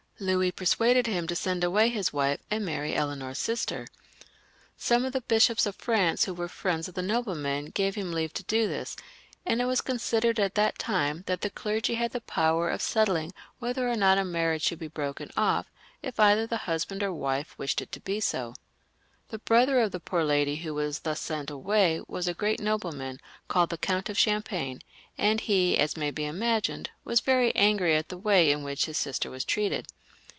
Louis persuaded him to send away his wife and marry Eleanor's sister. Some of the bishops of France who were friends of the nobleman gave him leave to do this, and it was considered at that time that the clergy had the power of settling whether or not a marriage should be broken off, if either the husband or wife wished it to be so. The brother of the poor lady who was thus sent away was a great nobleman called the Count of Champagne, and he, as may be imagined, was very angry at the way in which his sister was treated.